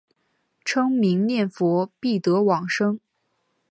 称名念佛必得往生。